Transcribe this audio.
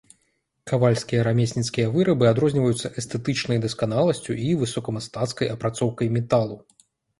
Кавальскія рамесніцкія вырабы адрозніваюцца эстэтычнай дасканаласцю і высокамастацкай апрацоўкай металу.